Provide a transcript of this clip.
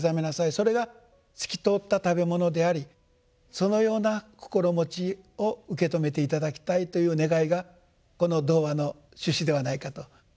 それが「すきとほつたたべもの」でありそのような心持ちを受け止めて頂きたいという願いがこの童話の趣旨ではないかと。